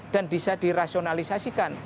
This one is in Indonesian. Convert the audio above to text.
dan bisa dirasionalisasikan